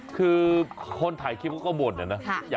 คือคนถ่ายคริปก็บ่นเหรอนะ